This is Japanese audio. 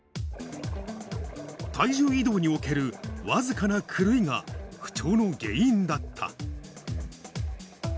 体重移動における僅かな狂いが、不調の原因だった。